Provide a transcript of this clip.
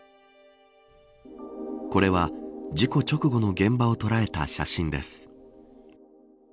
これは事故直後の現場を捉えた写真です。